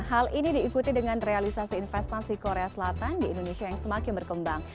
hal ini diikuti dengan realisasi investasi korea selatan di indonesia yang semakin berkembang